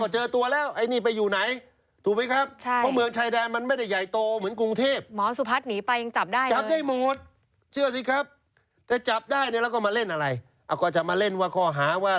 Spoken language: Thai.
ใช่ค่ะเป็นบัตรผ่านชายดั้งชั่วคราว